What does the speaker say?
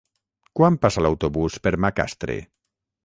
Quan passa l'autobús per Macastre?